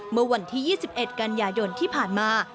เมื่อวันที่๒๑กันยายนที่ผ่านมา